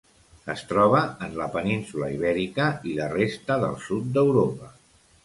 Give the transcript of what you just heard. Es troba en la península Ibèrica i la resta del sud d'Europa.